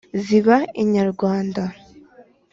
ziba inyarwanda.